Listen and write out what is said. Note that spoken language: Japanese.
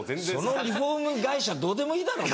そのリフォーム会社どうでもいいだろ。